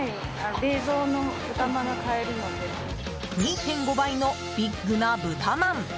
２．５倍のビッグな豚まん。